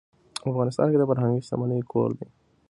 افغانستان د فرهنګي شتمنیو کور دی.